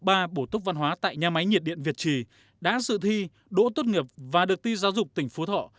bổ tốc văn hóa tại nhà máy nhiệt điện việt trì đã dự thi đỗ tốt nghiệp và được tiêu giáo dục tỉnh phú thọ